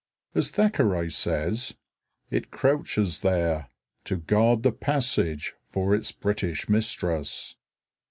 As Thackeray says, "It crouches there, to guard the passage for its British mistress."